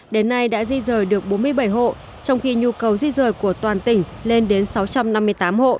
đến nay đã di rời được bốn mươi bảy hộ trong khi nhu cầu di rời của toàn tỉnh lên đến sáu trăm năm mươi tám hộ